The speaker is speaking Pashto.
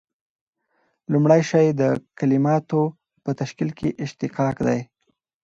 لومړی شی د کلیماتو په تشکیل کښي اشتقاق دئ.